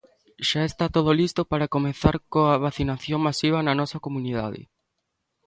Xa está todo listo para comezar coa vacinación masiva na nosa comunidade.